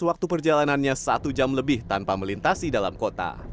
waktu perjalanannya satu jam lebih tanpa melintasi dalam kota